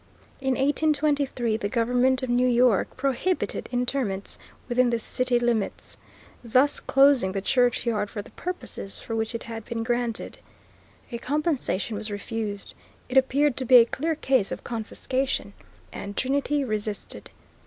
In 1823 the government of New York prohibited interments within the city limits, thus closing the churchyard for the purposes for which it had been granted. As compensation was refused, it appeared to be a clear case of confiscation, and Trinity resisted.